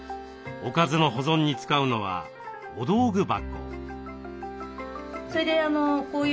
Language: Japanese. おかずの保存に使うのはお道具箱。